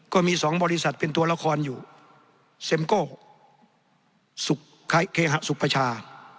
ก็มีสองบริษัทเป็นตัวละครอยู่เซ็มโก้เคหะสุพชา